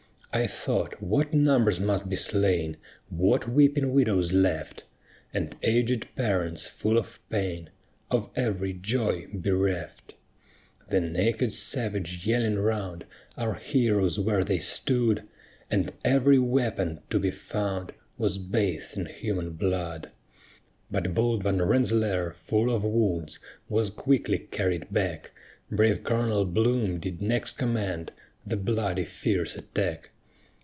I thought what numbers must be slain, What weeping widows left! And aged parents full of pain, Of every joy bereft. The naked savage yelling round Our heroes where they stood, And every weapon to be found Was bathed in human blood. But bold Van Rensselaer, full of wounds, Was quickly carried back; Brave Colonel Bloom did next command The bloody fierce attack.